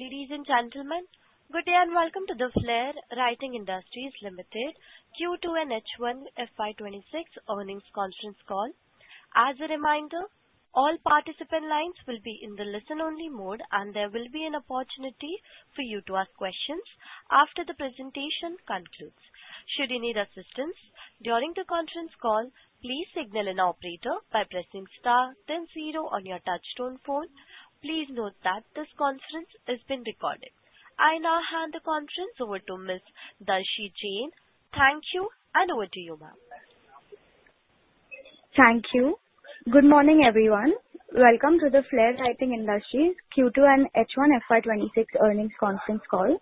Ladies and gentlemen, good day and welcome to the Flair Writing Industries Limited Q2 & H1 FY 2026 Earnings Conference Call. As a reminder, all participant lines will be in the listen-only mode, and there will be an opportunity for you to ask questions after the presentation concludes. Should you need assistance during the conference call, please signal an operator by pressing star, then zero on your touch-tone phone. Please note that this conference is being recorded. I now hand the conference over to Ms. Darshi Jain. Thank you, and over to you, ma'am. Thank you. Good morning, everyone. Welcome to the Flair Writing Industries Q2 & H1 FY 2026 earnings conference call.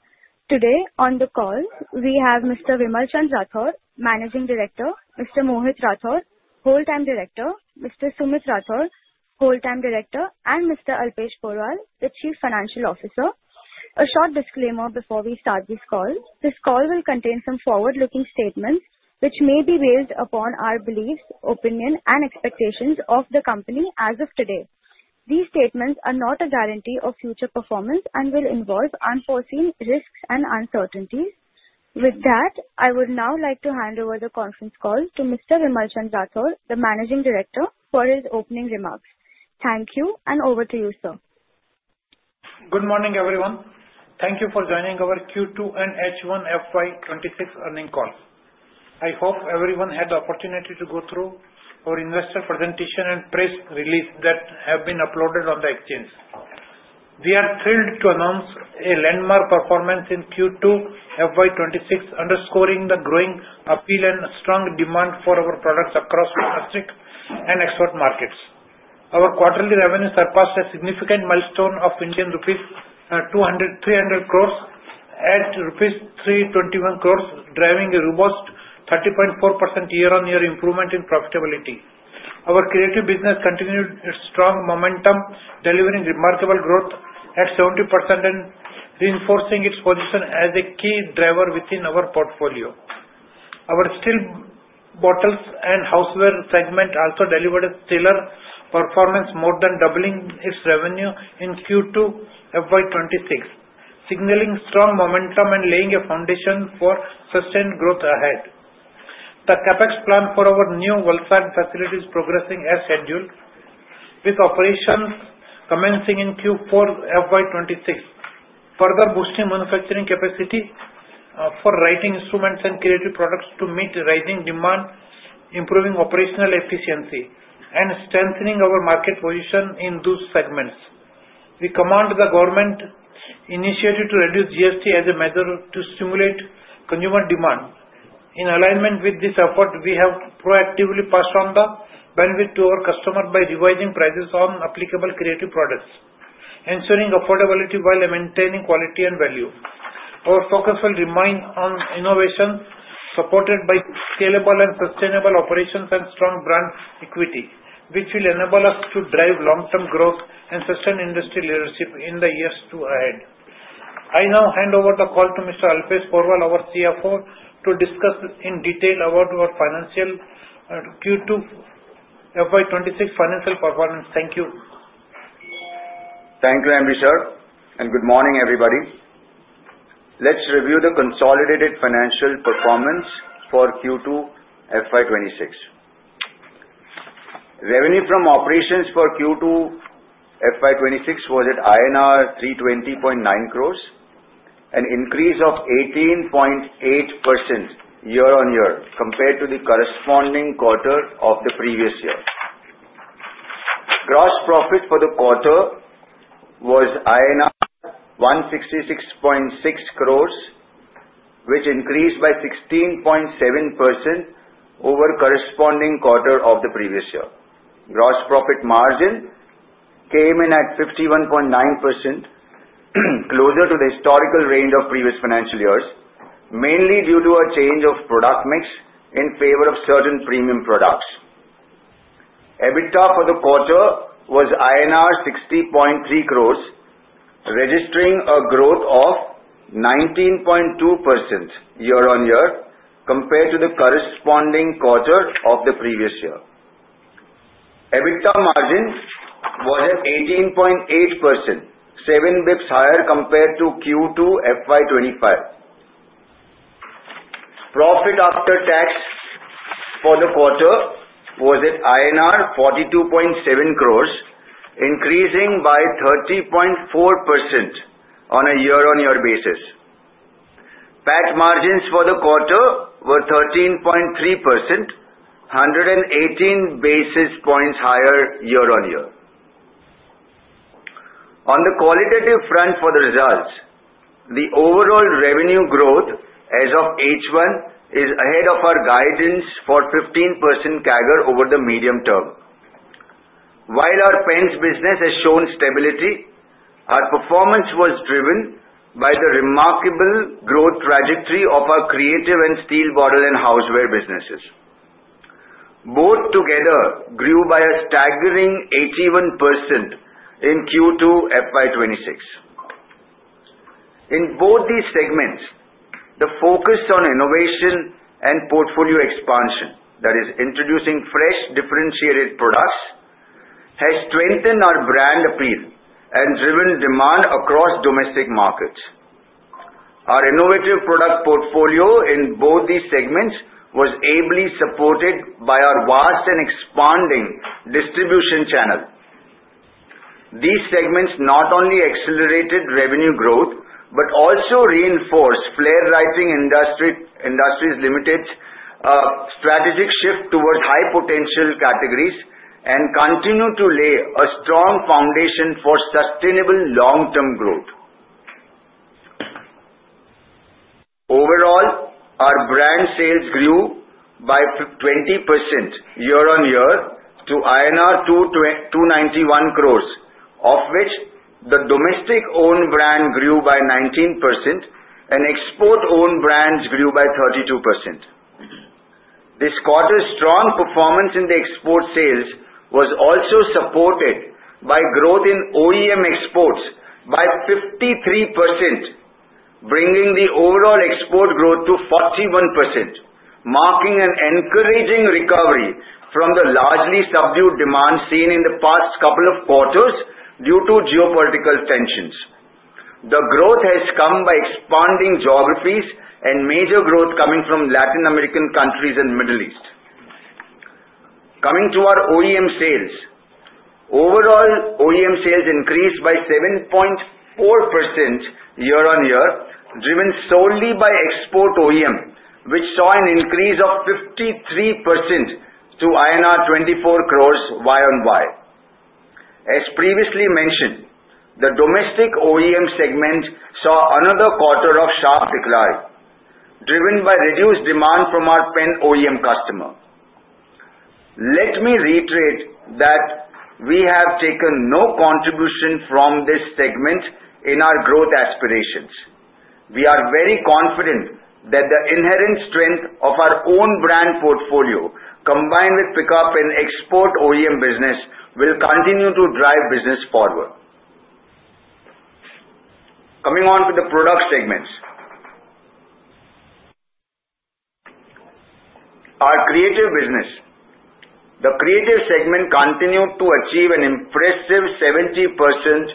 Today on the call, we have Mr. Vimalchand Rathod, Managing Director, Mr. Mohit Rathod, Whole-Time Director, Mr. Sumit Rathod, Whole-Time Director, and Mr. Alpesh Porwal, the Chief Financial Officer. A short disclaimer before we start this call: this call will contain some forward-looking statements which may be based upon our beliefs, opinion, and expectations of the company as of today. These statements are not a guarantee of future performance and will involve unforeseen risks and uncertainties. With that, I would now like to hand over the conference call to Mr. Vimalchand Rathod, the Managing Director, for his opening remarks. Thank you, and over to you, sir. Good morning, everyone. Thank you for joining our Q2 & H1 FY 2026 earnings call. I hope everyone had the opportunity to go through our investor presentation and press release that have been uploaded on the exchange. We are thrilled to announce a landmark performance in Q2 FY 2026, underscoring the growing appeal and strong demand for our products across domestic and export markets. Our quarterly revenues surpassed a significant milestone of Indian rupees 200.3 crore at rupees 321 crore, driving a robust 30.4% year-on-year improvement in profitability. Our creative business continued its strong momentum, delivering remarkable growth at 70% and reinforcing its position as a key driver within our portfolio. Our steel bottles and houseware segment also delivered a stellar performance, more than doubling its revenue in Q2 FY 2026, signaling strong momentum and laying a foundation for sustained growth ahead. The capex plan for our new Valsad facility is progressing as scheduled, with operations commencing in Q4 FY 2026, further boosting manufacturing capacity for writing instruments and creative products to meet rising demand, improving operational efficiency, and strengthening our market position in those segments. We commend the government's initiative to reduce GST as a measure to stimulate consumer demand. In alignment with this effort, we have proactively passed on the benefit to our customers by revising prices on applicable creative products, ensuring affordability while maintaining quality and value. Our focus will remain on innovation, supported by scalable and sustainable operations and strong brand equity, which will enable us to drive long-term growth and sustain industry leadership in the years ahead. I now hand over the call to Mr. Alpesh Porwal, our CFO, to discuss in detail about our Q2 FY 2026 financial performance. Thank you. Thank you, Vimalchand, and good morning, everybody. Let's review the consolidated financial performance for Q2 FY 2026. Revenue from operations for Q2 FY 2026 was at INR 320.9 crore, an increase of 18.8% year-on-year compared to the corresponding quarter of the previous year. Gross profit for the quarter was INR 166.6 crore, which increased by 16.7% over the corresponding quarter of the previous year. Gross profit margin came in at 51.9%, closer to the historical range of previous financial years, mainly due to a change of product mix in favor of certain premium products. EBITDA for the quarter was INR 60.3 crore, registering a growth of 19.2% year-on-year compared to the corresponding quarter of the previous year. EBITDA margin was at 18.8%, seven basis points higher compared to Q2 FY 2025. Profit after tax for the quarter was at INR 42.7 crore, increasing by 30.4% on a year-on-year basis. PAT margins for the quarter were 13.3%, 118 basis points higher year-on-year. On the qualitative front for the results, the overall revenue growth as of H1 is ahead of our guidance for 15% CAGR over the medium term. While our pens business has shown stability, our performance was driven by the remarkable growth trajectory of our creative and steel bottle and houseware businesses. Both together grew by a staggering 81% in Q2 FY 2026. In both these segments, the focus on innovation and portfolio expansion, that is, introducing fresh differentiated products, has strengthened our brand appeal and driven demand across domestic markets. Our innovative product portfolio in both these segments was ably supported by our vast and expanding distribution channel. These segments not only accelerated revenue growth but also reinforced Flair Writing Industries Limited's strategic shift towards high-potential categories and continue to lay a strong foundation for sustainable long-term growth. Overall, our brand sales grew by 20% year-on-year to INR 291 crore, of which the domestic-owned brand grew by 19% and export-owned brands grew by 32%. This quarter's strong performance in the export sales was also supported by growth in OEM exports by 53%, bringing the overall export growth to 41%, marking an encouraging recovery from the largely subdued demand seen in the past couple of quarters due to geopolitical tensions. The growth has come by expanding geographies and major growth coming from Latin American countries and the Middle East. Coming to our OEM sales, overall OEM sales increased by 7.4% year-on-year, driven solely by export OEM, which saw an increase of 53% to INR 24 crore year-on-year. As previously mentioned, the domestic OEM segment saw another quarter of sharp decline, driven by reduced demand from our pen OEM customer. Let me reiterate that we have taken no contribution from this segment in our growth aspirations. We are very confident that the inherent strength of our own brand portfolio, combined with pickup in export OEM business, will continue to drive business forward. Coming on to the product segments, our creative business, the creative segment continued to achieve an impressive 70%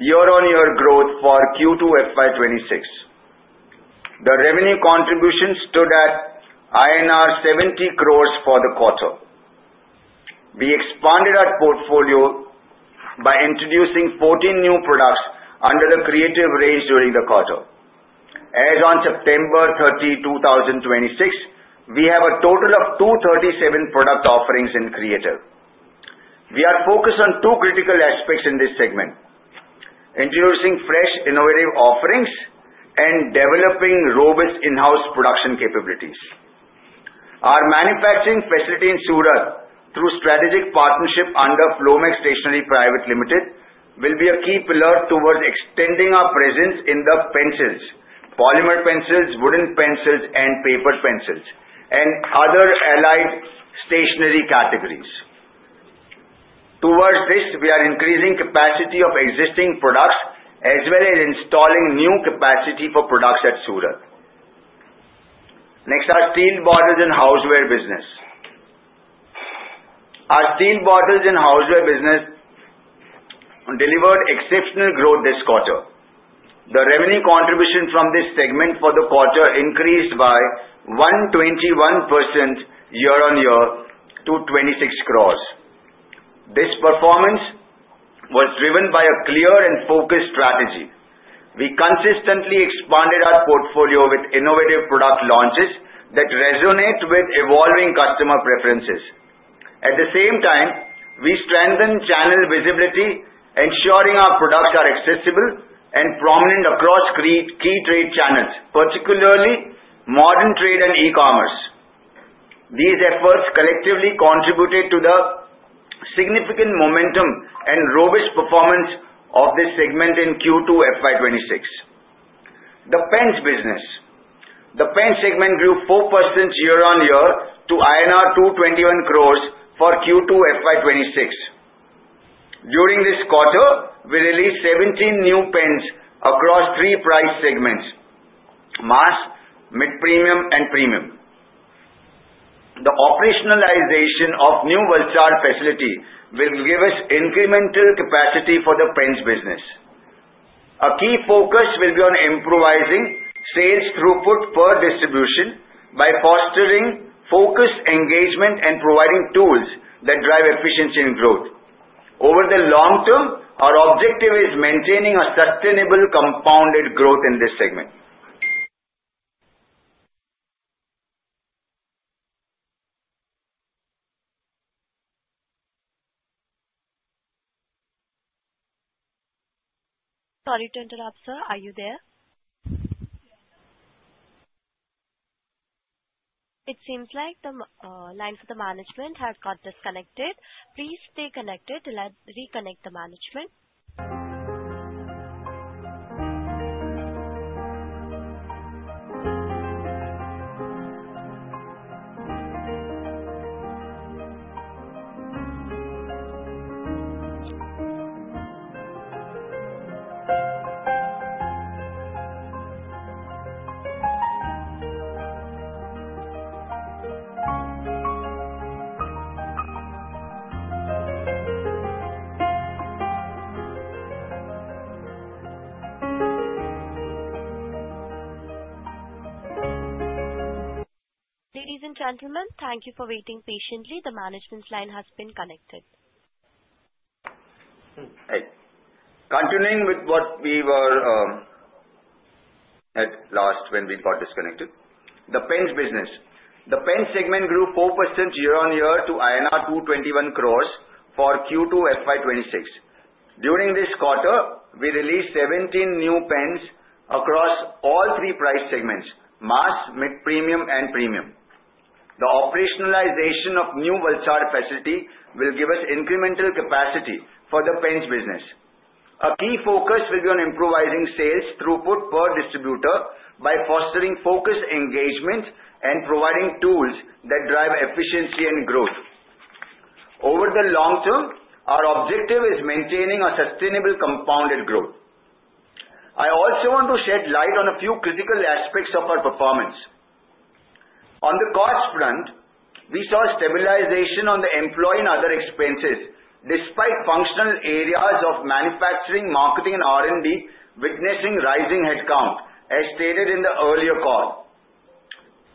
year-on-year growth for Q2 FY 2026. The revenue contribution stood at INR 70 crore for the quarter. We expanded our portfolio by introducing 14 new products under the creative range during the quarter. As of September 30, 2026, we have a total of 237 product offerings in creative. We are focused on two critical aspects in this segment: introducing fresh innovative offerings and developing robust in-house production capabilities. Our manufacturing facility in Surat, through strategic partnership under Flomaxe Stationery Private Limited, will be a key pillar towards extending our presence in the pencils: polymer pencils, wooden pencils, and paper pencils, and other allied stationery categories. Towards this, we are increasing the capacity of existing products as well as installing new capacity for products at Surat. Next are steel bottles and houseware business. Our steel bottles and houseware business delivered exceptional growth this quarter. The revenue contribution from this segment for the quarter increased by 121% year-on-year to 26 crore. This performance was driven by a clear and focused strategy. We consistently expanded our portfolio with innovative product launches that resonate with evolving customer preferences. At the same time, we strengthened channel visibility, ensuring our products are accessible and prominent across key trade channels, particularly modern trade and e-commerce. These efforts collectively contributed to the significant momentum and robust performance of this segment in Q2 FY 2026. The pens business, the pens segment, grew 4% year-on-year to 221 crore for Q2 FY 2026. During this quarter, we released 17 new pens across three price segments: mass, mid-premium, and premium. The operationalization of new Valsad facilities will give us incremental capacity for the pens business. A key focus will be on improving sales throughput per distribution by fostering focused engagement and providing tools that drive efficiency and growth. Over the long term, our objective is maintaining a sustainable compounded growth in this segment. Sorry to interrupt, sir. Are you there? It seems like the line for the management has got disconnected. Please stay connected to reconnect the management. Ladies and gentlemen, thank you for waiting patiently. The management's line has been connected. Continuing with what we were at last when we got disconnected, the pens business. The pens segment grew 4% year-on-year to INR 221 crore for Q2 FY 2026. During this quarter, we released 17 new pens across all three price segments: mass, mid-premium, and premium. The operationalization of new Valsad facilities will give us incremental capacity for the pens business. A key focus will be on improving sales throughput per distributor by fostering focused engagement and providing tools that drive efficiency and growth. Over the long term, our objective is maintaining a sustainable compounded growth. I also want to shed light on a few critical aspects of our performance. On the cost front, we saw stabilization on the employee and other expenses despite functional areas of manufacturing, marketing, and R&D witnessing rising headcount, as stated in the earlier call.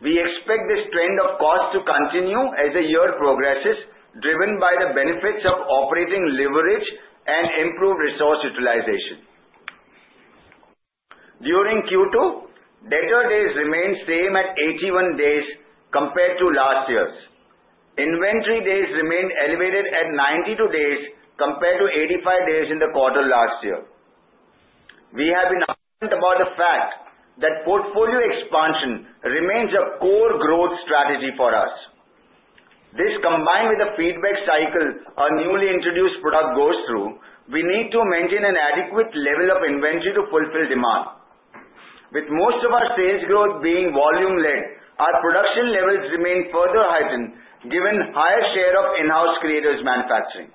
We expect this trend of costs to continue as the year progresses, driven by the benefits of operating leverage and improved resource utilization. During Q2, debtor days remained the same at 81 days compared to last year's. Inventory days remained elevated at 92 days compared to 85 days in the quarter last year. We have been aware about the fact that portfolio expansion remains a core growth strategy for us. This, combined with the feedback cycle our newly introduced product goes through, we need to maintain an adequate level of inventory to fulfill demand. With most of our sales growth being volume-led, our production levels remain further heightened given the higher share of in-house creative manufacturing.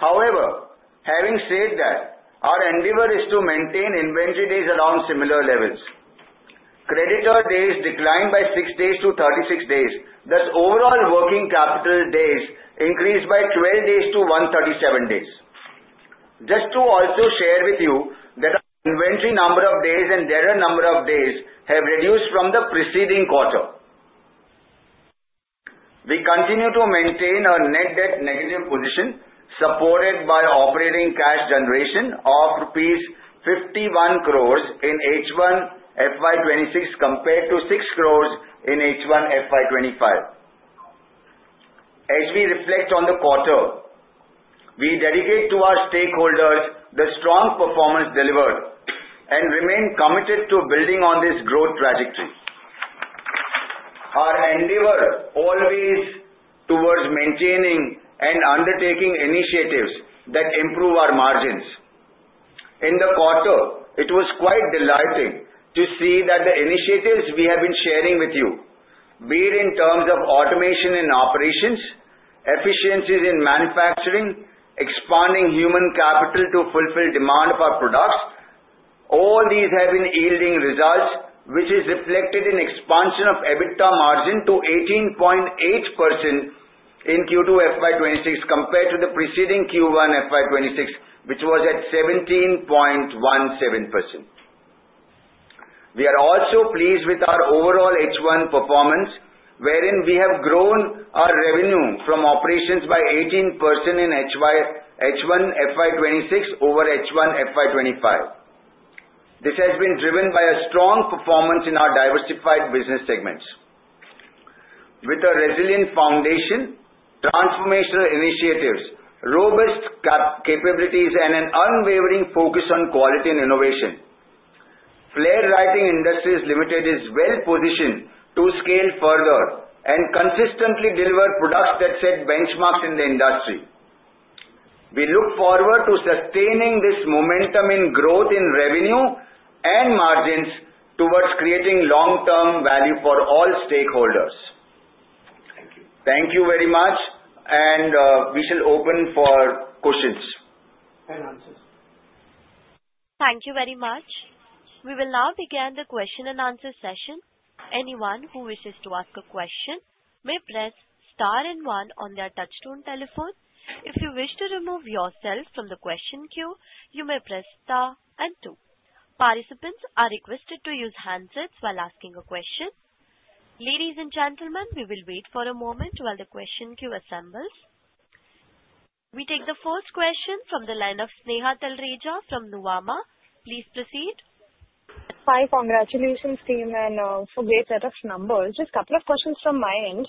However, having said that, our endeavor is to maintain inventory days around similar levels. Creditor days declined by six days to 36 days. Thus, overall working capital days increased by 12 days to 137 days. Just to also share with you that our inventory number of days and debtor number of days have reduced from the preceding quarter. We continue to maintain our net debt negative position, supported by operating cash generation of rupees 51 crore in H1 FY 2026 compared to 6 crore in H1 FY 2025. As we reflect on the quarter, we dedicate to our stakeholders the strong performance delivered and remain committed to building on this growth trajectory. Our endeavor always towards maintaining and undertaking initiatives that improve our margins. In the quarter, it was quite delighting to see that the initiatives we have been sharing with you, be it in terms of automation and operations, efficiencies in manufacturing, expanding human capital to fulfill demand for products, all these have been yielding results, which is reflected in the expansion of EBITDA margin to 18.8% in Q2 FY 2026 compared to the preceding Q1 FY 2026, which was at 17.17%. We are also pleased with our overall H1 performance, wherein we have grown our revenue from operations by 18% in H1 FY 2026 over H1 FY 2025. This has been driven by a strong performance in our diversified business segments. With a resilient foundation, transformational initiatives, robust capabilities, and an unwavering focus on quality and innovation, Flair Writing Industries Limited is well positioned to scale further and consistently deliver products that set benchmarks in the industry. We look forward to sustaining this momentum in growth in revenue and margins towards creating long-term value for all stakeholders. Thank you very much, and we shall open for questions and answers. Thank you very much. We will now begin the question and answer session. Anyone who wishes to ask a question may press star and one on their touchscreen telephone. If you wish to remove yourself from the question queue, you may press star and two. Participants are requested to use handsets while asking a question. Ladies and gentlemen, we will wait for a moment while the question queue assembles. We take the first question from the line of Sneha Talreja from Nuvama. Please proceed. Hi, congratulations, team, and for a great set of numbers. Just a couple of questions from my end.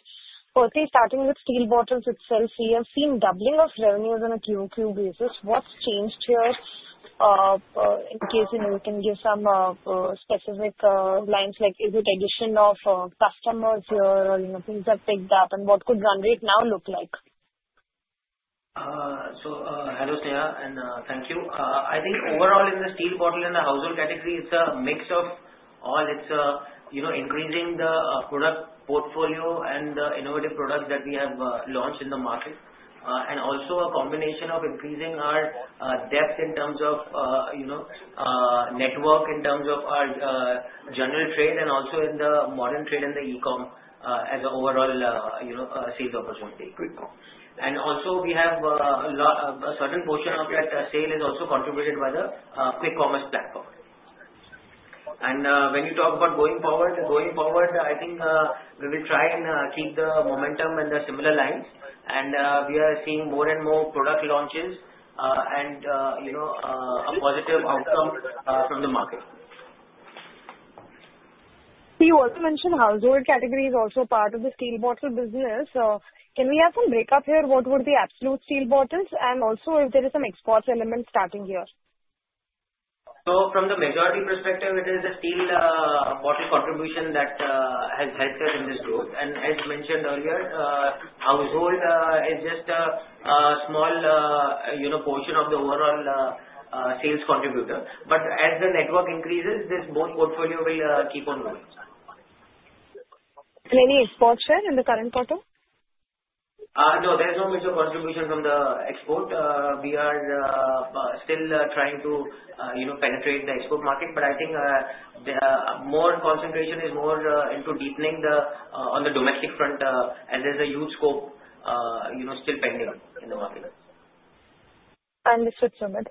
Firstly, starting with steel bottles itself, we have seen doubling of revenues on a QoQ basis. What's changed here? In case we can give some specific lines, like is it addition of customers here, or things have picked up, and what could run rate now look like? Hello, Sneha, and thank you. I think overall in the steel bottle and the household category, it's a mix of all. It's increasing the product portfolio and the innovative products that we have launched in the market, and also a combination of increasing our depth in terms of network, in terms of our general trade, and also in the modern trade and the e-com as an overall sales opportunity. And also, we have a certain portion of that sale is also contributed by the quick commerce platform. When you talk about going forward, going forward, I think we will try and keep the momentum and the similar lines, and we are seeing more and more product launches and a positive outcome from the market. So you also mentioned household category is also part of the steel bottle business. Can we have some breakup here? What would be absolute steel bottles, and also if there is some export element starting here? So from the majority perspective, it is the steel bottles contribution that has helped us in this growth. And as mentioned earlier, houseware is just a small portion of the overall sales contributor. But as the network increases, this both portfolio will keep on growing. Any export share in the current quarter? No, there's no major contribution from the export. We are still trying to penetrate the export market, but I think more concentration is more into deepening on the domestic front, and there's a huge scope still pending in the market. Understood so much.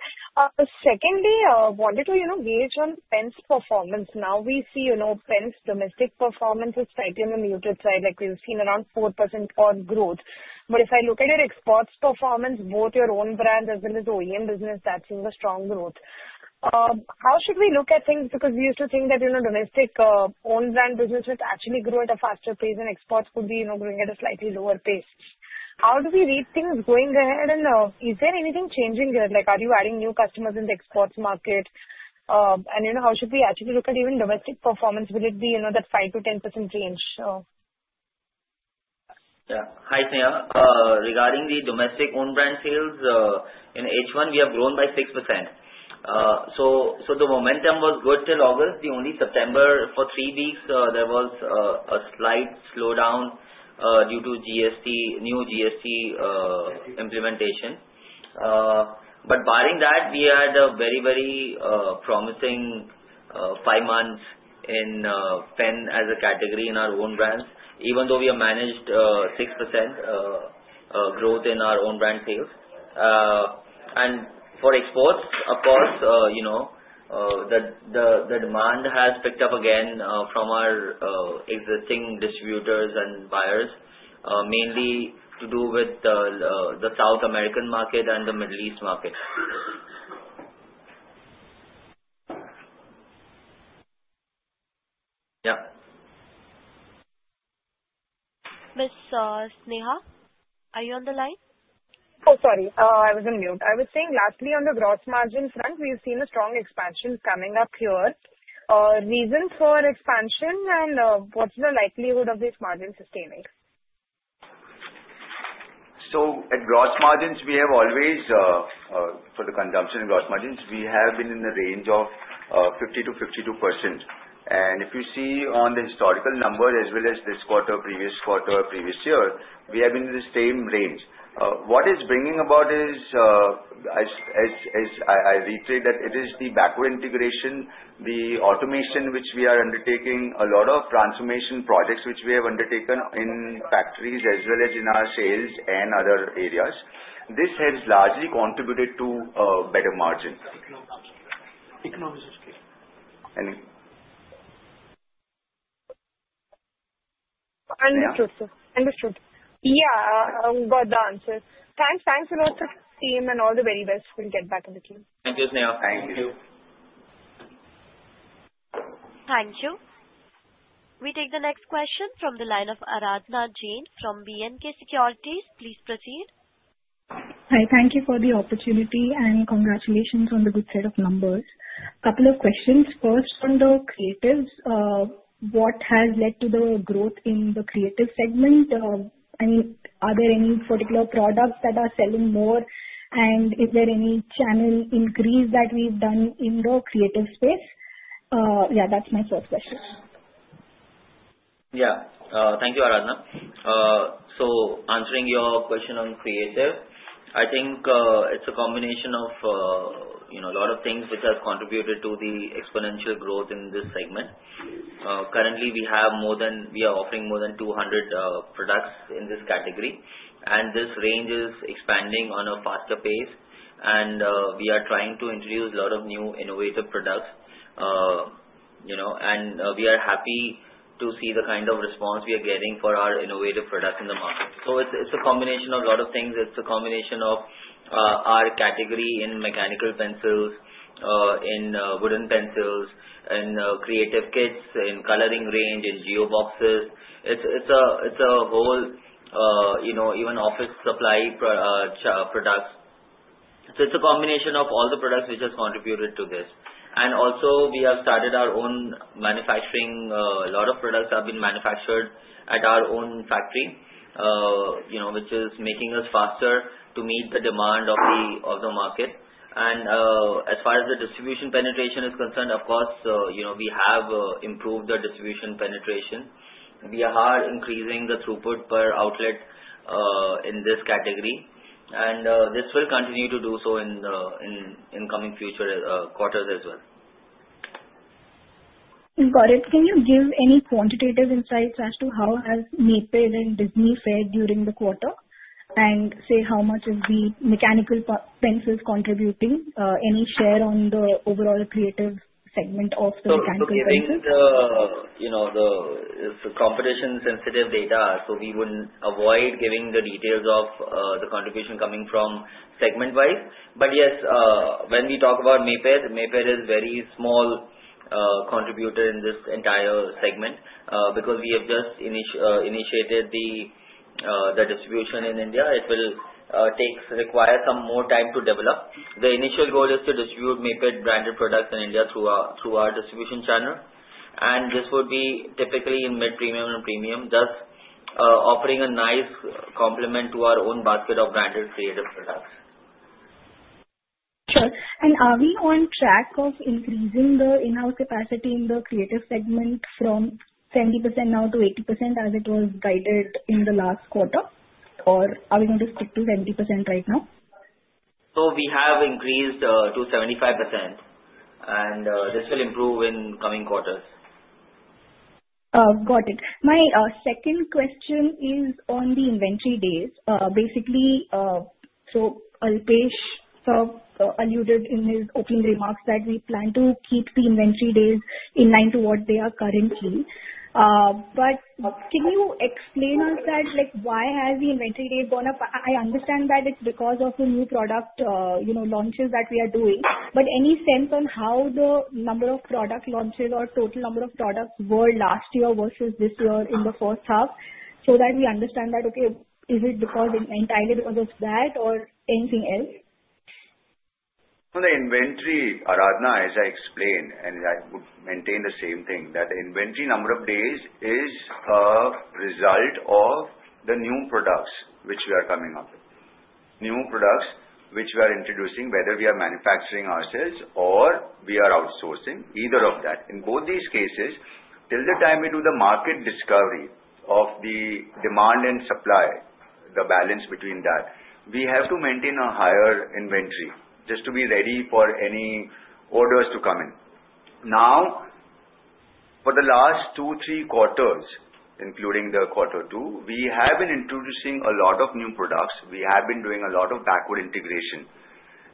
Secondly, I wanted to gauge on pens performance. Now we see pens domestic performance is slightly on the muted side, like we've seen around 4% growth. But if I look at your exports performance, both your own brand as well as OEM business, that's in a strong growth. How should we look at things? Because we used to think that domestic owned brand businesses actually grew at a faster pace and exports could be growing at a slightly lower pace. How do we read things going ahead, and is there anything changing here? Are you adding new customers in the exports market? And how should we actually look at even domestic performance? Will it be that 5%-10% range? Yeah. Hi, Sneha. Regarding the domestic owned brand sales, in H1, we have grown by 6%. So the momentum was good till August. Only in September for three weeks, there was a slight slowdown due to new GST implementation. But barring that, we had a very, very promising five months in pen as a category in our own brands, even though we have managed 6% growth in our own brand sales. And for exports, of course, the demand has picked up again from our existing distributors and buyers, mainly to do with the South American market and the Middle East market. Yeah. Ms. Sneha, are you on the line? Oh, sorry. I was on mute. I was saying lastly, on the gross margin front, we've seen a strong expansion coming up here. Reason for expansion and what's the likelihood of this margin sustaining? At gross margins, we have always, for the consumption gross margins, we have been in the range of 50%-52%. If you see on the historical number as well as this quarter, previous quarter, previous year, we have been in the same range. What it's bringing about is, as I reiterate, that it is the macro integration, the automation, which we are undertaking a lot of transformation projects which we have undertaken in factories as well as in our sales and other areas. This has largely contributed to better margins. Economies of scale. Any? Understood. Understood. Yeah, I'll word the answer. Thanks. Thanks a lot to the team and all the very best. We'll get back a little. Thank you, Sneha. Thank you. Thank you. We take the next question from the line of Aradhana Jain from B&K Securities. Please proceed. Hi, thank you for the opportunity and congratulations on the good set of numbers. A couple of questions. First, on the creatives, what has led to the growth in the creative segment? I mean, are there any particular products that are selling more, and is there any channel increase that we've done in the creative space? Yeah, that's my first question. Yeah. Thank you, Aradhana. So answering your question on creative, I think it's a combination of a lot of things which have contributed to the exponential growth in this segment. Currently, we are offering more than 200 products in this category, and this range is expanding on a faster pace. And we are trying to introduce a lot of new innovative products, and we are happy to see the kind of response we are getting for our innovative products in the market. So it's a combination of a lot of things. It's a combination of our category in mechanical pencils, in wooden pencils, in creative kits, in coloring range, in geo boxes. It's a whole, even office supply products. So it's a combination of all the products which have contributed to this. And also, we have started our own manufacturing. A lot of products have been manufactured at our own factory, which is making us faster to meet the demand of the market, and as far as the distribution penetration is concerned, of course, we have improved the distribution penetration. We are increasing the throughput per outlet in this category, and this will continue to do so in coming future quarters as well. Got it. Can you give any quantitative insights as to how has Maped and Disney fared during the quarter? And say, how much is the mechanical pencils contributing? Any share on the overall creative segment of the mechanical pencils? So I think it's a competition-sensitive data, so we wouldn't avoid giving the details of the contribution coming from segment-wise. But yes, when we talk about Maped, Maped is a very small contributor in this entire segment because we have just initiated the distribution in India. It will require some more time to develop. The initial goal is to distribute Maped branded products in India through our distribution channel, and this would be typically in mid-premium and premium, thus offering a nice complement to our own basket of branded creative products. Sure. And are we on track of increasing the in-house capacity in the creative segment from 70% now to 80% as it was guided in the last quarter, or are we going to stick to 70% right now? We have increased to 75%, and this will improve in coming quarters. Got it. My second question is on the inventory days. Basically, so Alpesh alluded in his opening remarks that we plan to keep the inventory days in line to what they are currently. But can you explain us that? Why has the inventory day gone up? I understand that it's because of the new product launches that we are doing, but any sense on how the number of product launches or total number of products were last year versus this year in the first half? So that we understand that, okay, is it entirely because of that or anything else? On the inventory, Aradhana, as I explained, and I would maintain the same thing, that the inventory number of days is a result of the new products which we are coming up with. New products which we are introducing, whether we are manufacturing ourselves or we are outsourcing, either of that. In both these cases, till the time we do the market discovery of the demand and supply, the balance between that, we have to maintain a higher inventory just to be ready for any orders to come in. Now, for the last two, three quarters, including the quarter two, we have been introducing a lot of new products. We have been doing a lot of backward integration,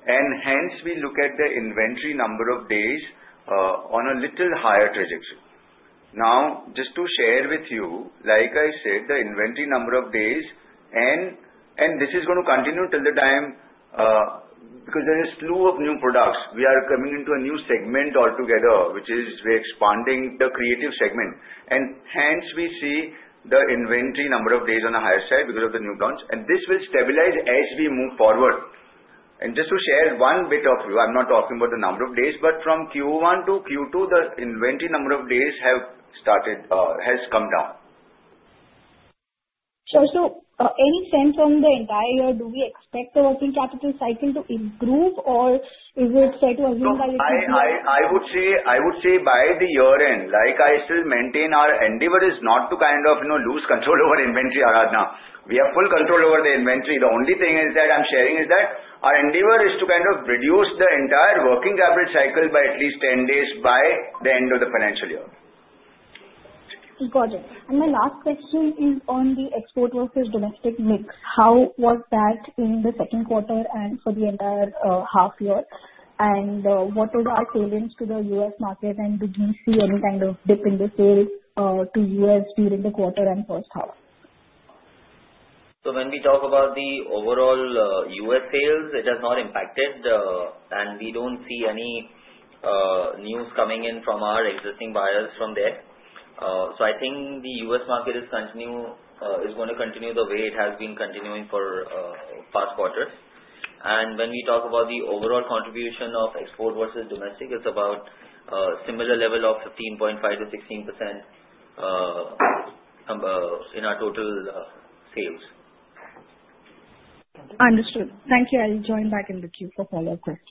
and hence we look at the inventory number of days on a little higher trajectory. Now, just to share with you, like I said, the inventory number of days and this is going to continue till the time because there is a slew of new products. We are coming into a new segment altogether, which is we are expanding the creative segment, and hence we see the inventory number of days on the higher side because of the new launch, and this will stabilize as we move forward, and just to share one bit of, I'm not talking about the number of days, but from Q1 to Q2, the inventory number of days has come down. Sure. So any sense on the entire year, do we expect the working capital cycle to improve, or is it set to improve by the end of the year? I would say by the year end, like I still maintain our endeavor is not to kind of lose control over inventory, Aradhana. We have full control over the inventory. The only thing is that I'm sharing is that our endeavor is to kind of reduce the entire working capital cycle by at least 10 days by the end of the financial year. Got it. And my last question is on the export versus domestic mix. How was that in the second quarter and for the entire half year? And what was our salience to the U.S. market, and did we see any kind of dip in the sales to U.S. during the quarter and first half? So when we talk about the overall U.S. sales, it has not impacted, and we don't see any news coming in from our existing buyers from there. So I think the U.S. market is going to continue the way it has been continuing for past quarters. And when we talk about the overall contribution of export versus domestic, it's about a similar level of 15.5%-16% in our total sales. Understood. Thank you. I'll join back in the queue for follow-up questions.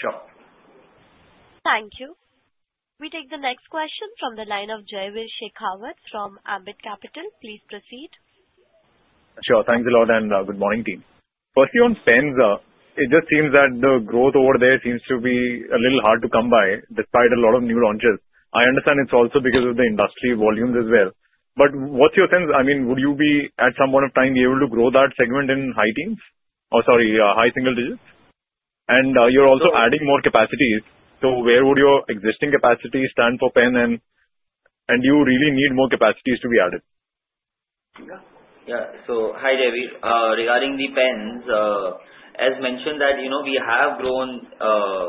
Sure. Thank you. We take the next question from the line of Jaiveer Shekhawat from Ambit Capital. Please proceed. Sure. Thanks a lot, and good morning, team. Firstly, on pens, it just seems that the growth over there seems to be a little hard to come by despite a lot of new launches. I understand it's also because of the industry volumes as well. But what's your sense? I mean, would you be, at some point of time, able to grow that segment in high teens or, sorry, high single digits? And you're also adding more capacities. So where would your existing capacity stand for pen, and do you really need more capacities to be added? Yeah. Yeah. So hi, Jaiveer. Regarding the pens, as mentioned, we have grown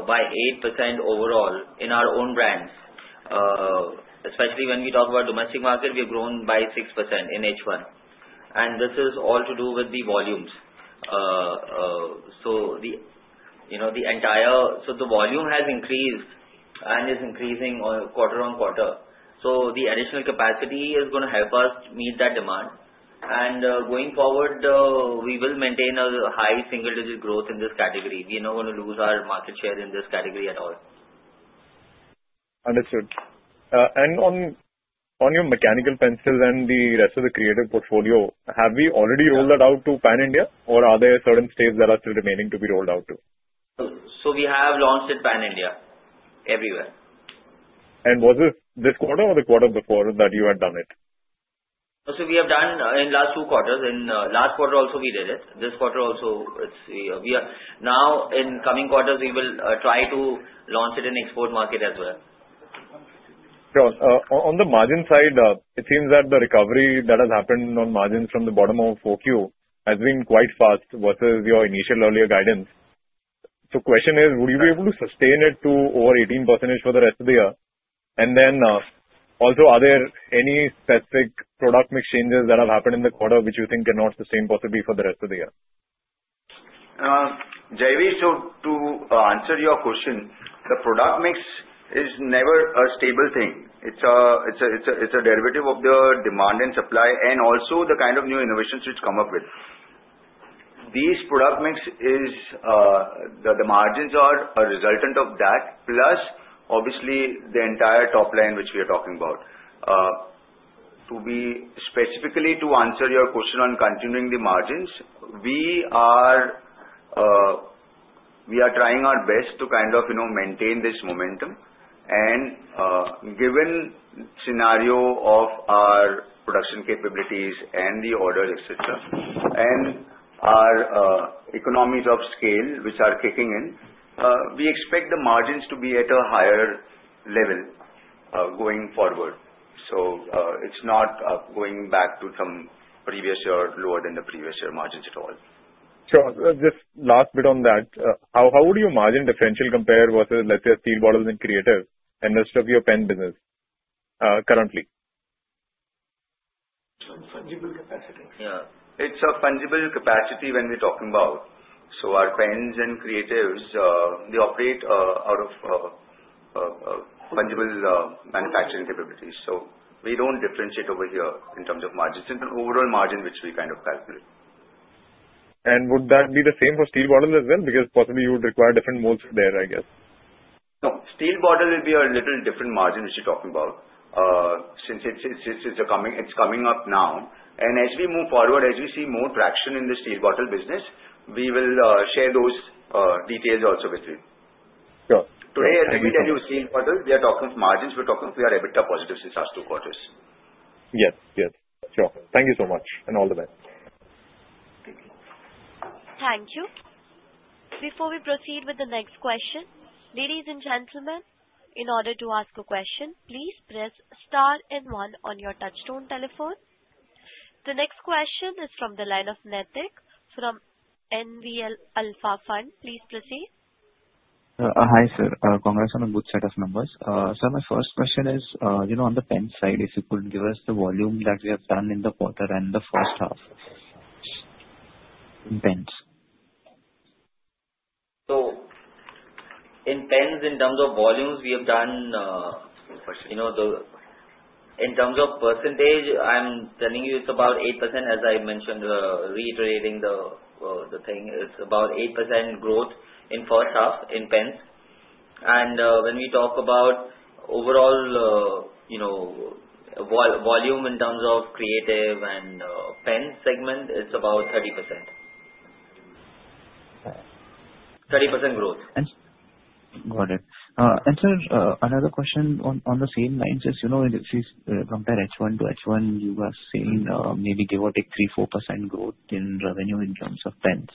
by 8% overall in our own brands. Especially when we talk about domestic market, we have grown by 6% in H1. And this is all to do with the volumes. So the entire volume has increased and is increasing quarter on quarter. So the additional capacity is going to help us meet that demand. And going forward, we will maintain a high single-digit growth in this category. We are not going to lose our market share in this category at all. Understood. And on your mechanical pencils and the rest of the creative portfolio, have we already rolled that out to Pan-India, or are there certain states that are still remaining to be rolled out to? So we have launched it Pan-India, everywhere. Was it this quarter or the quarter before that you had done it? So we have done in the last two quarters. In the last quarter also, we did it. This quarter also, now in coming quarters, we will try to launch it in export market as well. Sure. On the margin side, it seems that the recovery that has happened on margins from the bottom of Q2 has been quite fast versus your initial earlier guidance. The question is, would you be able to sustain it to over 18% for the rest of the year? And then also, are there any specific product mix changes that have happened in the quarter which you think cannot sustain possibly for the rest of the year? Jaiveer, so to answer your question, the product mix is never a stable thing. It's a derivative of the demand and supply and also the kind of new innovations which come up with. These product mixes, the margins are a resultant of that, plus obviously the entire top line which we are talking about. To be specifically to answer your question on continuing the margins, we are trying our best to kind of maintain this momentum and given the scenario of our production capabilities and the order, etc., and our economies of scale which are kicking in, we expect the margins to be at a higher level going forward. So it's not going back to some previous year lower than the previous year margins at all. Sure. Just last bit on that. How would your margin differential compare versus, let's say, a steel bottle in creative and the rest of your pen business currently? Yeah. It's a fungible capacity when we're talking about. So our pens and creatives, they operate out of fungible manufacturing capabilities. So we don't differentiate over here in terms of margins and overall margin which we kind of calculate. Would that be the same for steel bottles as well? Because possibly you would require different modes there, I guess. No. Steel bottle will be a little different margin which you're talking about since it's coming up now, and as we move forward, as we see more traction in the steel bottle business, we will share those details also with you. Sure. Today, as I told you, steel bottles, we are talking of margins. We are a bit positive since last two quarters. Yes. Yes. Sure. Thank you so much and all the best. Thank you. Before we proceed with the next question, ladies and gentlemen, in order to ask a question, please press star and one on your touch-tone telephone. The next question is from the line of Naitik from NV Alpha Fund. Please proceed. Hi, sir. Congrats on a good set of numbers. Sir, my first question is on the pen side, if you could give us the volume that we have done in the quarter and the first half in pens. So in pens, in terms of volumes, we have done in terms of percentage, I'm telling you it's about 8%, as I mentioned, reiterating the thing. It's about 8% growth in first half in pens. And when we talk about overall volume in terms of creative and pen segment, it's about 30%. 30% growth. Got it. And sir, another question on the same lines is from there H1 to H1, you were saying maybe give or take 3%-4% growth in revenue in terms of pens.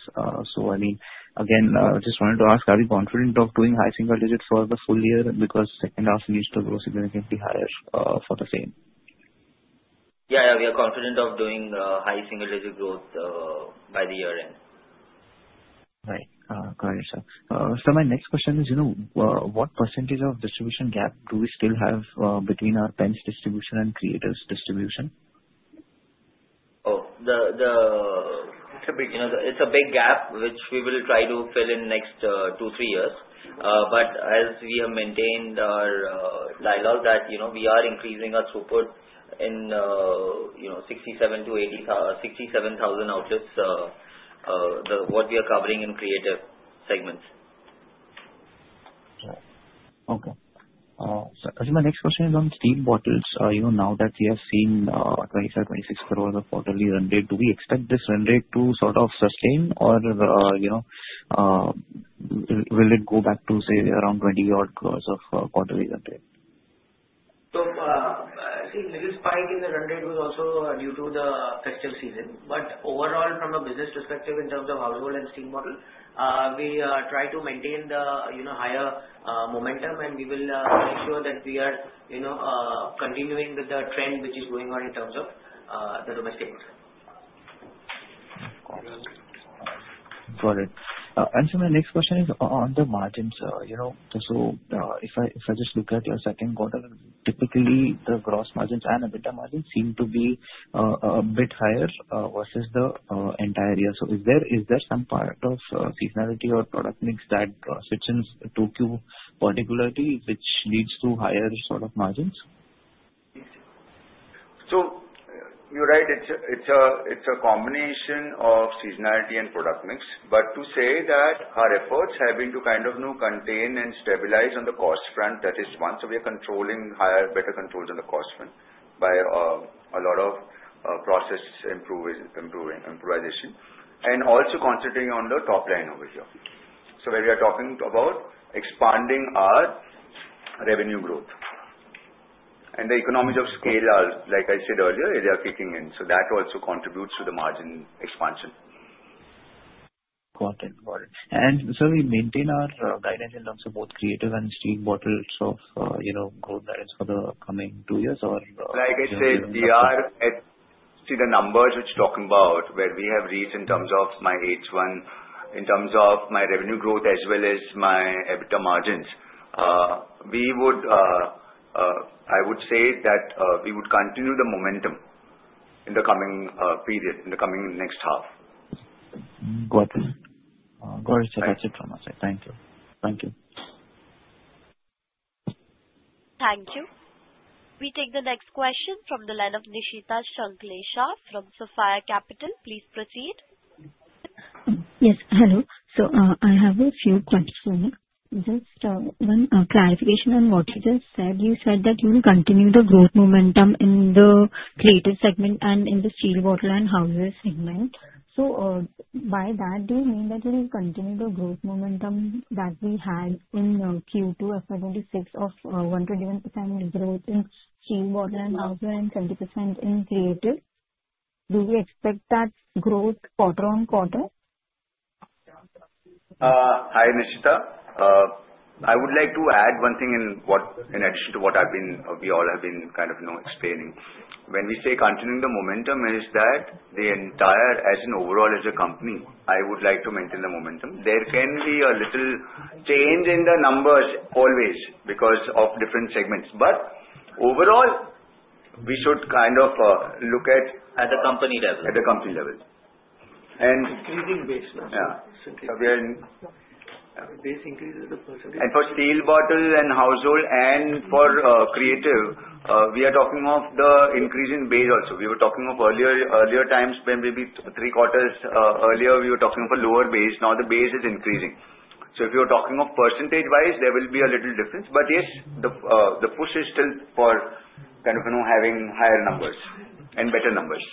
So I mean, again, just wanted to ask, are we confident of doing high single digit for the full year because second half needs to grow significantly higher for the same? Yeah. We are confident of doing high single digit growth by the year end. Right. Got it, sir. Sir, my next question is, what percentage of distribution gap do we still have between our pens distribution and creatives distribution? Oh, it's a big gap which we will try to fill in next two, three years. But as we have maintained our dialogue that we are increasing our throughput in 67,000 outlets, what we are covering in creative segments. Okay. Sir, actually, my next question is on steel bottles. Now that we have seen 25 crore per hour of quarterly run rate, do we expect this run rate to sort of sustain, or will it go back to, say, around 20 odd crore per hours of quarterly run rate? I think the biggest spike in the run rate was also due to the festive season. But overall, from a business perspective, in terms of houseware and steel bottles, we try to maintain the higher momentum, and we will make sure that we are continuing with the trend which is going on in terms of the domestic market. Got it. And sir, my next question is on the margins. So if I just look at your second quarter, typically the gross margins and EBITDA margins seem to be a bit higher versus the entire year. So is there some part of seasonality or product mix that sits in Q2 particularly which leads to higher sort of margins? So you're right. It's a combination of seasonality and product mix. But to say that our efforts have been to kind of contain and stabilize on the cost front, that is one. So we are controlling higher, better controls on the cost front by a lot of process improvement, improvisation, and also concentrating on the top line over here. So when we are talking about expanding our revenue growth and the economies of scale, like I said earlier, they are kicking in. So that also contributes to the margin expansion. Got it. Got it. And sir, we maintain our guidance in terms of both creative and Steel Bottles of growth guidance for the coming two years or? Like I said, we are, as you see, the numbers which you're talking about where we have reached in terms of my H1, in terms of my revenue growth as well as my EBITDA margins. I would say that we would continue the momentum in the coming period, in the coming next half. Got it. Got it, sir. That's it from my side. Thank you. Thank you. Thank you. We take the next question from the line of Nishita Shanklesha from Sapphire Capital. Please proceed. Yes. Hello. So I have a few questions. Just one clarification on what you just said. You said that you will continue the growth momentum in the creative segment and in the steel bottle and houseware segment. So by that, do you mean that you will continue the growth momentum that we had in Q2 FY 2026 of 121% growth in steel bottle and houseware and 70% in creative? Do we expect that growth quarter on quarter? Hi, Nishita. I would like to add one thing in addition to what we all have been kind of explaining. When we say continuing the momentum, it is that the entire, as an overall, as a company, I would like to maintain the momentum. There can be a little change in the numbers always because of different segments. But overall, we should kind of look at. At the company level. At the company level. And. Increasing base? Yeah And for steel bottles and houseware and for creative, we are talking of the increase in base also. We were talking of earlier times when maybe three quarters earlier, we were talking of a lower base. Now the base is increasing. So if you're talking of percentage-wise, there will be a little difference. But yes, the push is still for kind of having higher numbers and better numbers.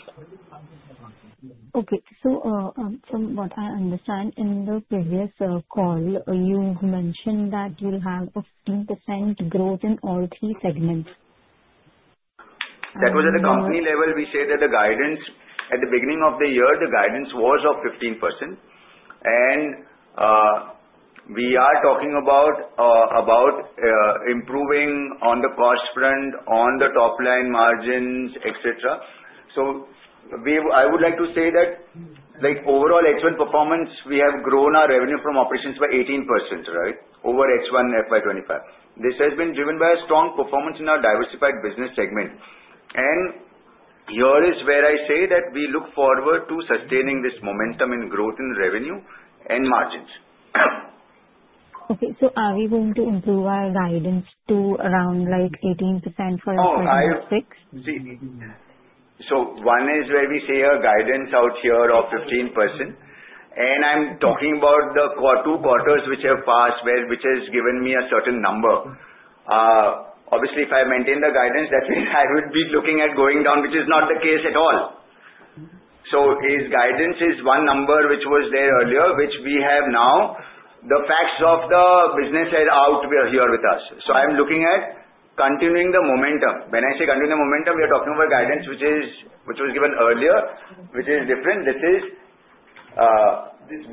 Okay. So from what I understand, in the previous call, you mentioned that you'll have a 15% growth in all three segments. That was at the company level. We said that the guidance at the beginning of the year, the guidance was of 15%. And we are talking about improving on the cost front, on the top line margins, etc. So I would like to say that overall H1 performance, we have grown our revenue from operations by 18%, right, over H1 FY 25. This has been driven by a strong performance in our diversified business segment. And here is where I say that we look forward to sustaining this momentum in growth in revenue and margins. Okay. So are we going to improve our guidance to around 18% for FY 2026? So one is where we see a guidance out here of 15%. And I'm talking about the two quarters which have passed, which has given me a certain number. Obviously, if I maintain the guidance, that means I would be looking at going down, which is not the case at all. So his guidance is one number which was there earlier, which we have now. The facts of the business head out here with us. So I'm looking at continuing the momentum. When I say continuing the momentum, we are talking about guidance which was given earlier, which is different.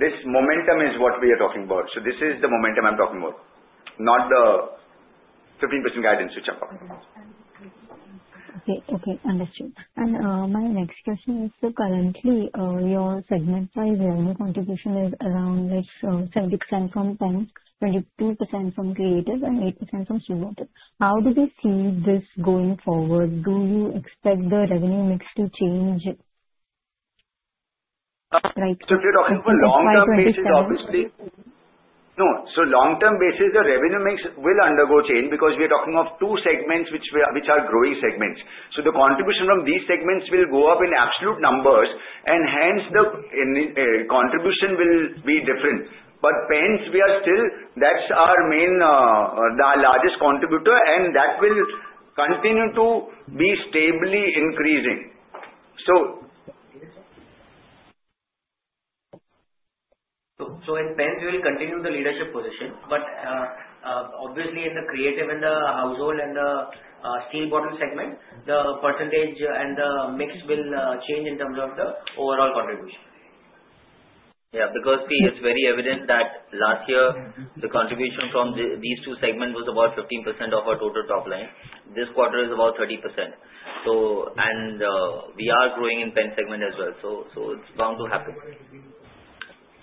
This momentum is what we are talking about. So this is the momentum I'm talking about, not the 15% guidance which I'm talking about. Okay. Okay. Understood. And my next question is, so currently, your segment-wide revenue contribution is around 70% from pens, 22% from creative, and 8% from steel bottles. How do we see this going forward? Do you expect the revenue mix to change? So if you're talking about long-term basis, obviously. So it's a long-term basis. No. So long-term basis, the revenue mix will undergo change because we are talking of two segments which are growing segments. So the contribution from these segments will go up in absolute numbers, and hence the contribution will be different. But pens, we are still that's our main largest contributor, and that will continue to be stably increasing. So in pens, we will continue the leadership position. But obviously, in the creative, in the household, and the steel bottle segment, the percentage and the mix will change in terms of the overall contribution. Yeah. Because it's very evident that last year, the contribution from these two segments was about 15% of our total top line. This quarter is about 30%. And we are growing in pen segment as well. So it's bound to happen.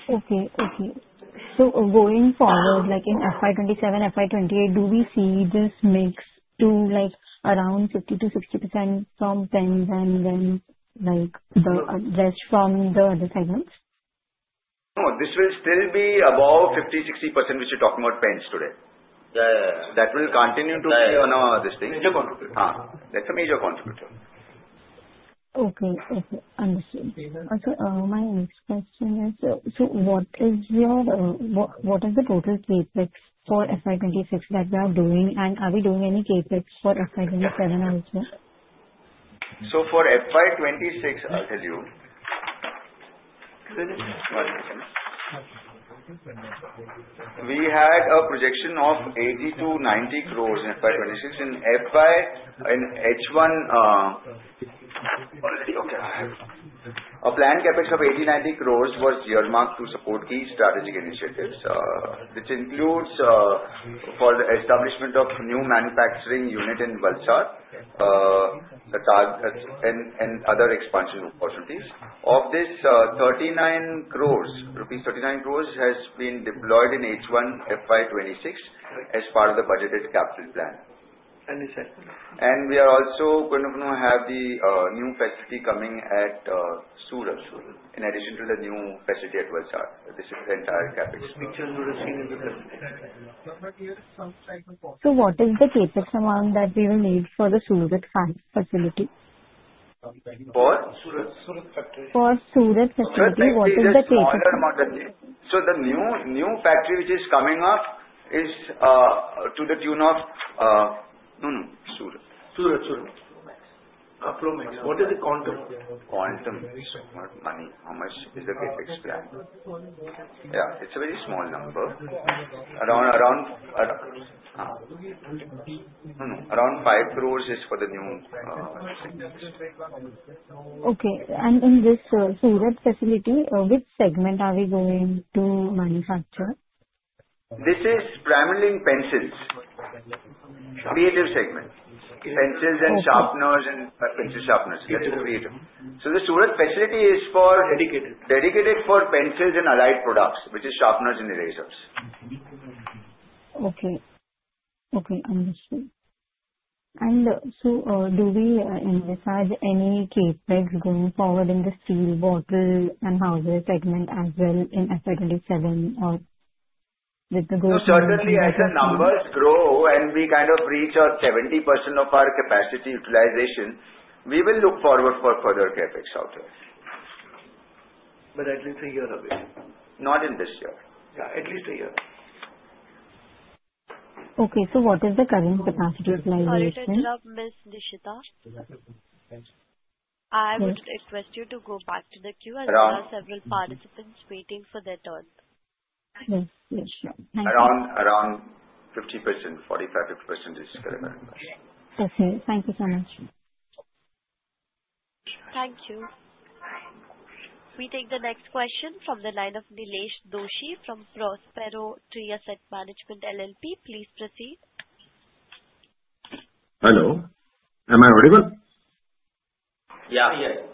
Okay. So going forward, in FY 2027, FY 2028, do we see this mix to around 50%-60% from pens and then the rest from the other segments? No. This will still be above 50%-60% which you're talking about pens today. That will continue to be one of these things. That's a major contributor. Okay. Understood. And sir, my next question is, so what is your total capex for FY 2026 that you are doing, and are we doing any capex for FY 2027 also? So for FY 2026, I'll tell you. One second. We had a projection of 80-90 crore in FY 2026. In H1, okay, I have a planned capex of 80 crore- 90 crore was earmarked to support key strategic initiatives. This includes for the establishment of new manufacturing unit in Valsad and other expansion opportunities. Of this, rupees 39 crore has been deployed in H1 FY 2026 as part of the budgeted capital plan. And we are also going to have the new facility coming at Surat in addition to the new facility at Valsad. This is the entire capex. Which facility would have seen in the facility? So what is the capex amount that we will need for the Surat facility? For? Surat factory. For Surat facility. So the new factory which is coming up is to the tune of Plumix. Plumix. What is the quantum? Quantum. So much money. How much is the capex planned? Yeah. It's a very small number. Around 5 crore is for the new facility. Okay. In this Surat facility, which segment are we going to manufacture? This is primarily pencils, creative segment. Pencils and sharpeners and pencil sharpeners. That's the creative. So the Surat facility is for. Dedicated. Dedicated for pencils and allied products, which is sharpeners and erasers. Okay. Okay. Understood, and so do we envisage any capex going forward in the steel bottle and houseware segment as well in FY 2027 or with the growth? Certainly, as the numbers grow and we kind of reach our 70% of our capacity utilization, we will look forward for further capex out there. But at least a year away. Not in this year. Yeah. At least a year. Okay. So what is the current capacity utilization? Sorry to interrupt, Ms. Nishita. I would request you to go back to the queue as there are several participants waiting for their turn. Yes. Yes. Thank you. Around 50%, 45%-50% is currently. Okay. Thank you so much. Thank you. We take the next question from the line of Nilesh Doshi from Prospero Tree Asset Management LLP. Please proceed. Hello. Am I audible? Yeah. Yes.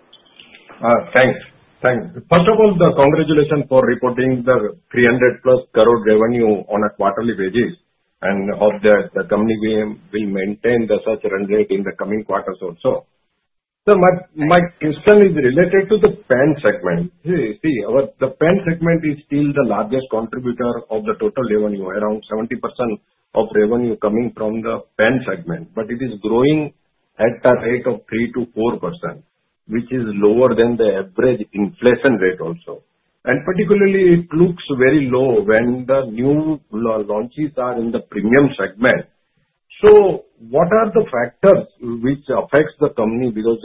Thanks. Thanks. First of all, congratulations for reporting the 300-plus crore revenue on a quarterly basis and hope that the company will maintain such a run rate in the coming quarters also. So my question is related to the pen segment. See, the pen segment is still the largest contributor of the total revenue. Around 70% of revenue coming from the pen segment. But it is growing at a rate of 3%-4%, which is lower than the average inflation rate also. And particularly, it looks very low when the new launches are in the premium segment. So what are the factors which affect the company? Because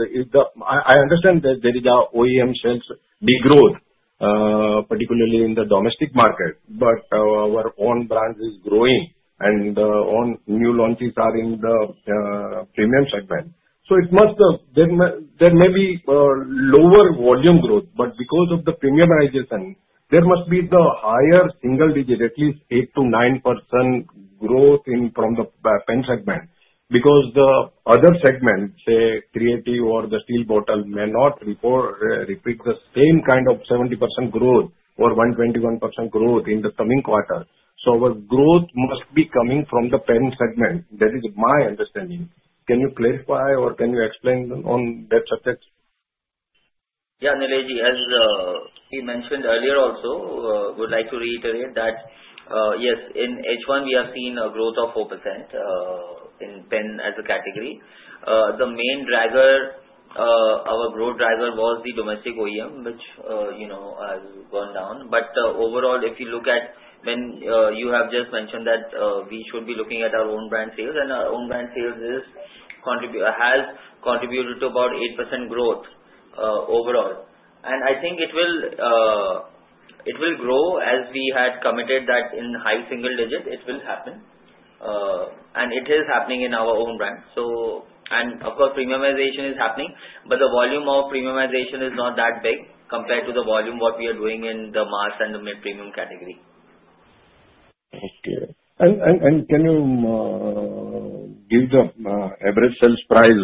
I understand that there is OEM sales degrowth, particularly in the domestic market. But our own brand is growing, and the new launches are in the premium segment. So there may be lower volume growth. But because of the premiumization, there must be the higher single-digit, at least 8%-9% growth from the pen segment. Because the other segment, say, creative or the steel bottle, may not repeat the same kind of 70% growth or 121% growth in the coming quarter. So our growth must be coming from the pen segment. That is my understanding. Can you clarify or can you explain on that subject? Yeah. Nilesh, as we mentioned earlier also, would like to reiterate that, yes, in H1, we have seen a growth of 4% in pen as a category. The main driver, our growth driver, was the domestic OEM, which has gone down. But overall, if you look at when you have just mentioned that we should be looking at our own brand sales, and our own brand sales has contributed to about 8% growth overall. And I think it will grow as we had committed that in high single-digit. It will happen. And it is happening in our own brand. And of course, premiumization is happening. But the volume of premiumization is not that big compared to the volume what we are doing in the mass and the mid-premium category. Okay. And can you give the average sales price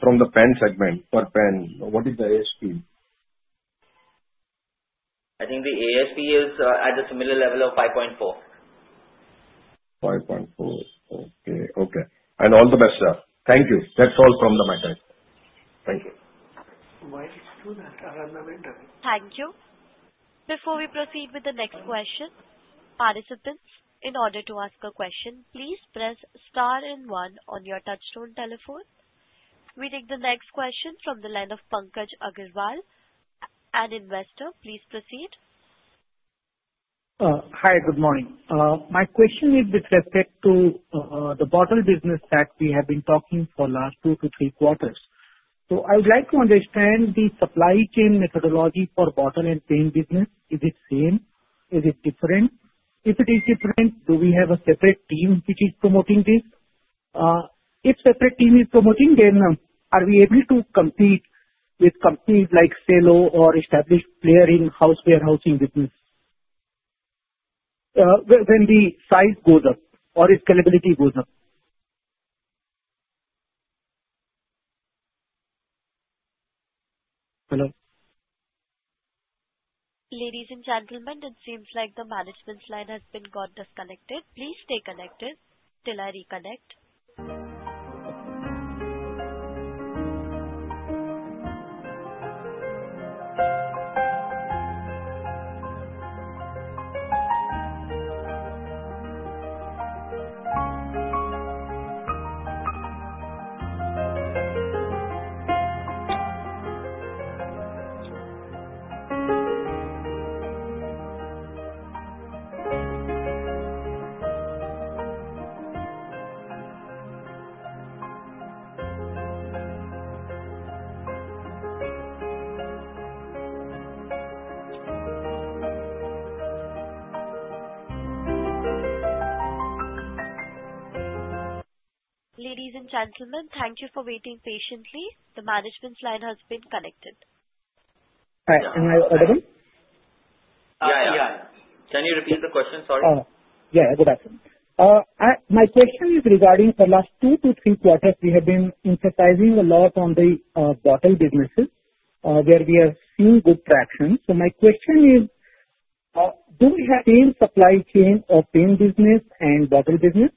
from the pen segment per pen? What is the ASP? I think the ASP is at a similar level of INR 5.4. Okay. Okay. And all the best, sir. Thank you. That's all from my side. Thank you. Thank you. Before we proceed with the next question, participants, in order to ask a question, please press star and one on your touch-tone telephone. We take the next question from the line of Pankaj Agarwal, an Investor. Please proceed. Hi. Good morning. My question is with respect to the bottle business that we have been talking about for the last two to three quarters. So I would like to understand the supply chain methodology for bottle and pens business. Is it same? Is it different? If it is different, do we have a separate team which is promoting this? If a separate team is promoting, then are we able to compete with companies like Cello or established player in houseware business when the size goes up or the scalability goes up? Hello? Ladies and gentlemen, it seems like the management line has been got disconnected. Please stay connected till I reconnect. Ladies and gentlemen, thank you for waiting patiently. The management line has been connected. Hi. Am I audible? Yeah. Yeah. Can you repeat the question? Sorry. Yeah. Good afternoon. My question is regarding the last two to three quarters, we have been emphasizing a lot on the bottle business where we have seen good traction. So my question is, do we have the same supply chain of pen business and bottle business?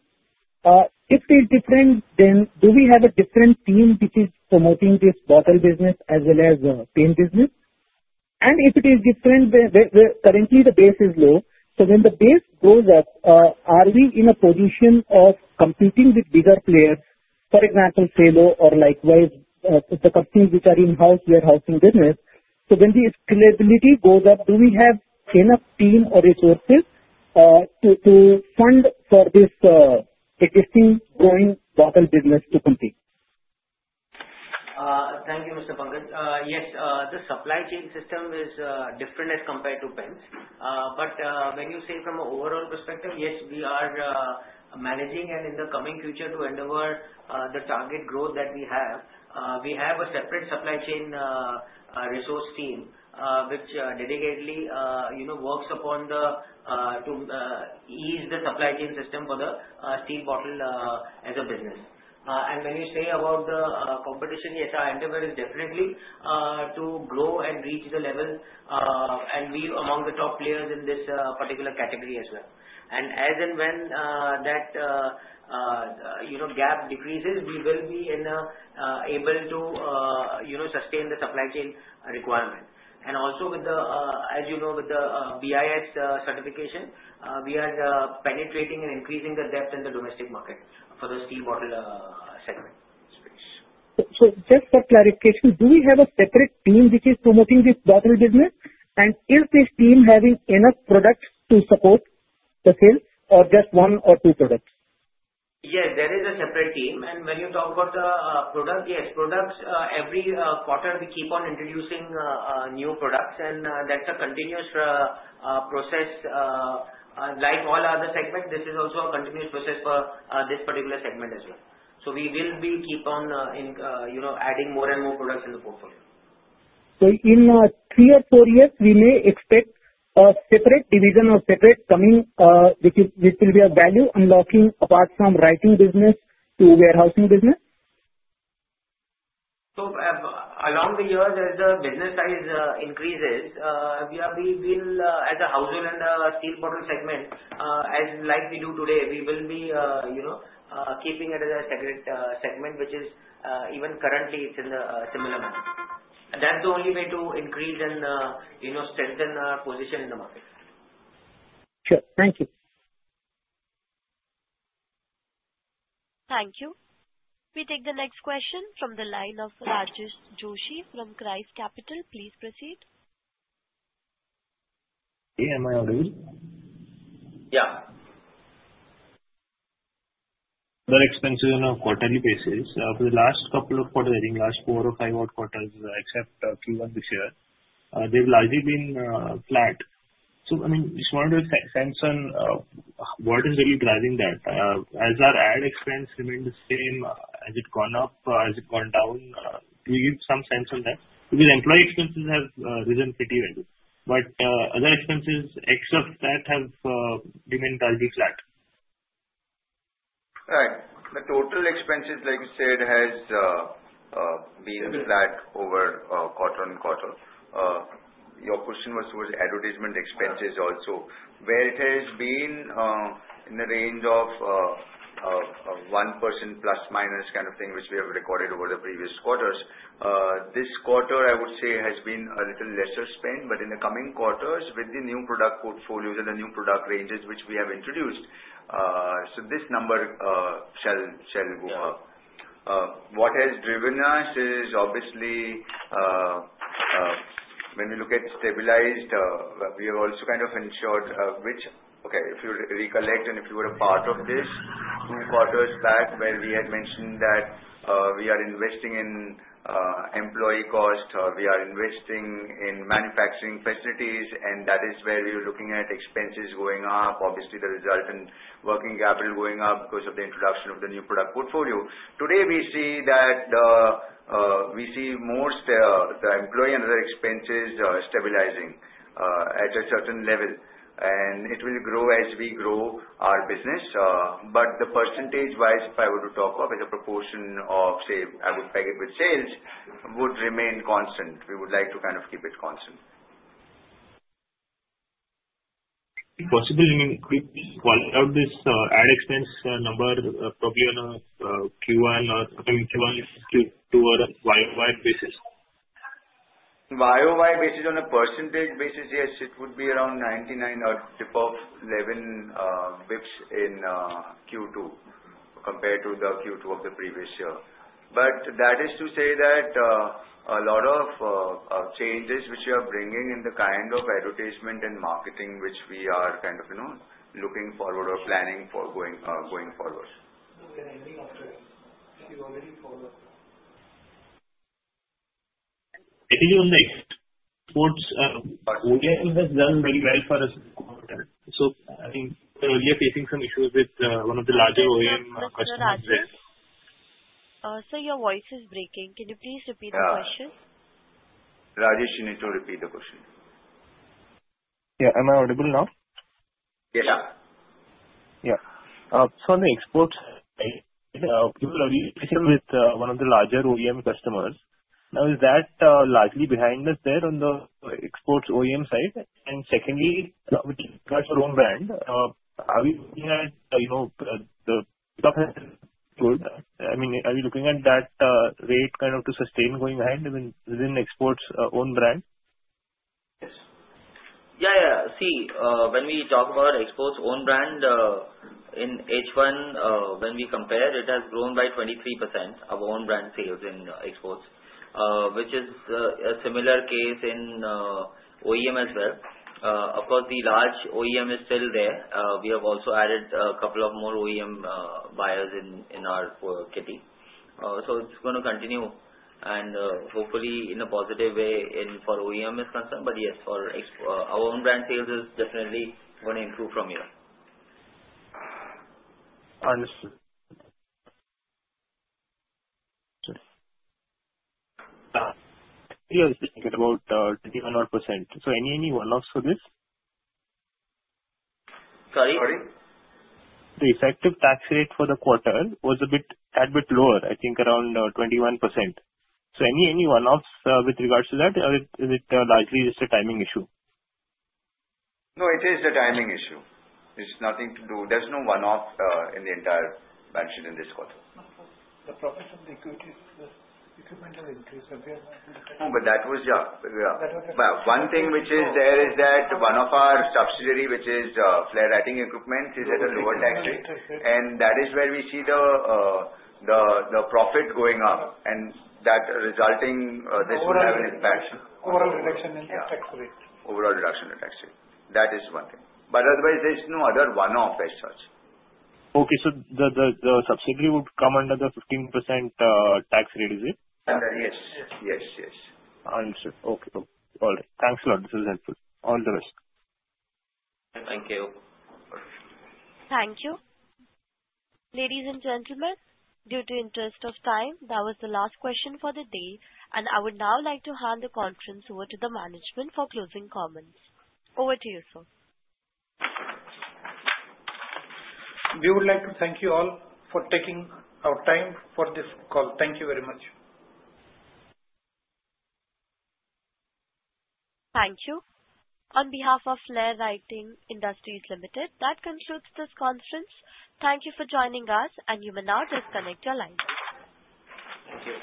If it is different, then do we have a different team which is promoting this bottle business as well as pen business? And if it is different, currently, the base is low. So when the base goes up, are we in a position of competing with bigger players, for example, Cello or likewise the companies which are in houseware business? So when the scalability goes up, do we have enough team or resources to fund for this existing growing bottle business to compete? Thank you, Mr. Pankaj. Yes. The supply chain system is different as compared to pens. But when you say from an overall perspective, yes, we are managing, and in the coming future, to endeavor the target growth that we have, we have a separate supply chain resource team which dedicatedly works to ease the supply chain system for the steel bottle as a business. And when you say about the competition, yes, our endeavor is definitely to grow and reach the level, and we are among the top players in this particular category as well. And as and when that gap decreases, we will be able to sustain the supply chain requirement. And also, as you know, with the BIS certification, we are penetrating and increasing the depth in the domestic market for the steel bottle segment. So just for clarification, do we have a separate team which is promoting this bottle business? And is this team having enough products to support the sales or just one or two products? Yes. There is a separate team. And when you talk about the product, yes. Every quarter, we keep on introducing new products. And that's a continuous process. Like all other segments, this is also a continuous process for this particular segment as well. So we will keep on adding more and more products in the portfolio. So in three or four years, we may expect a separate division or separate company which will be a value unlocking apart from writing business to houseware business? Along the years, as the business size increases, we will, as a houseware and steel bottle segment, as like we do today, we will be keeping it as a separate segment, which is even currently, it's in the similar market. That's the only way to increase and strengthen our position in the market. Sure. Thank you. Thank you. We take the next question from the line of Rajas Joshi from ChrysCapital. Please proceed. Yeah. Am I audible? Yeah. Very expensive on a quarterly basis. Over the last couple of quarters, I think last four or five-odd quarters, except Q1 this year, they've largely been flat. So I mean, if you want to have a sense on what is really driving that, as our ad expense remained the same, has it gone up, has it gone down? Do we get some sense on that? Because employee expenses have risen pretty well. But other expenses, except that, have remained largely flat. Right. The total expenses, like you said, has been flat over quarter on quarter. Your question was towards advertisement expenses also, where it has been in the range of 1% plus minus kind of thing, which we have recorded over the previous quarters. This quarter, I would say, has been a little lesser spent. But in the coming quarters, with the new product portfolios and the new product ranges which we have introduced, so this number shall go up. What has driven us is, obviously, when we look at stabilized, we have also kind of ensured, which, okay. If you recollect and if you were a part of this two quarters back, where we had mentioned that we are investing in employee cost, we are investing in manufacturing facilities, and that is where we were looking at expenses going up, obviously, the result in working capital going up because of the introduction of the new product portfolio. Today, we see that more the employee and other expenses stabilizing at a certain level, and it will grow as we grow our business. But the percentage-wise, if I were to talk of as a proportion of, say, I would peg it with sales, would remain constant. We would like to kind of keep it constant. Possibly, you mean we call out this ad expense number probably on a Q1 or Q2 or a YoY basis? YoY basis on a percentage basis, yes. It would be around 99 or 100 basis points in Q2 compared to the Q2 of the previous year. But that is to say that a lot of changes which we are bringing in the kind of advertisement and marketing which we are kind of looking forward or planning for going forward. I think you're next. But OEM has done very well for us. So I think we are facing some issues with one of the larger OEM customers. Mr. Rajas, so your voice is breaking. Can you please repeat the question? Yeah. Rajas, you need to repeat the question. Yeah. Am I audible now? Yeah. Yeah. So on the export side, we were already facing with one of the larger OEM customers. Now, is that largely behind us there on the exports OEM side? And secondly, we have our own brand. Are we looking at the stuff has been good? I mean, are we looking at that rate kind of to sustain going ahead within exports own brand? Yes. See, when we talk about exports own brand, in H1, when we compare, it has grown by 23% of own brand sales in exports, which is a similar case in OEM as well. Of course, the large OEM is still there. We have also added a couple of more OEM buyers in our kitty. So it's going to continue, and hopefully, in a positive way for OEM is concerned. But yes, our own brand sales is definitely going to improve from here. Understood. Any other questions? About 21%. So any one-offs for this? Sorry? Sorry? The effective tax rate for the quarter was a bit lower, I think around 21%. So any one-offs with regards to that, or is it largely just a timing issue? No, it is the timing issue. It's nothing to do. There's no one-off in the entire management in this quarter. The profit of the equipment has increased. One thing which is there is that one of our subsidiary, which is Flair Writing Equipments, is at a lower tax rate. And that is where we see the profit going up. And that resulting this would have an impact. Overall reduction in the tax rate. Overall reduction in the tax rate. That is one thing. But otherwise, there's no other one-off as such. Okay. So the subsidiary would come under the 15% tax rate, is it? Yes. Yes. Yes. Understood. Okay. All right. Thanks a lot. This was helpful. All the best. Thank you. Thank you. Ladies and gentlemen, due to paucity of time, that was the last question for the day. And I would now like to hand the conference over to the management for closing comments. Over to you, sir. We would like to thank you all for taking the time for this call. Thank you very much. Thank you. On behalf of Flair Writing Industries Limited, that concludes this conference. Thank you for joining us, and you may now disconnect your lines.